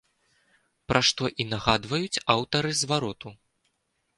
Пра што і нагадваюць аўтары звароту.